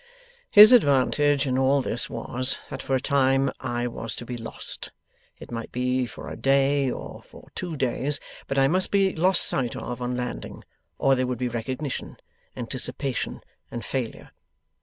'His advantage in all this was, that for a time I was to be lost. It might be for a day or for two days, but I must be lost sight of on landing, or there would be recognition, anticipation, and failure.